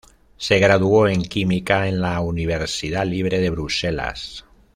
Se graduó en química en la Universidad Libre de Bruselas.